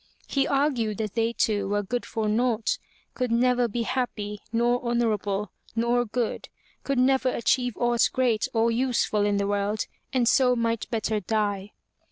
He argued that they two were good for naught, could never be happy, nor honorable, nor good, could never achieve aught great or useful in the world and so might better die.